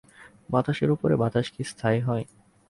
বাতাসের উপরে বাতাস কি স্থায়ী হয়।